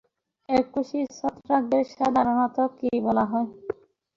এককোষী ছত্রাকদের সাধারণত কী বলা হয়?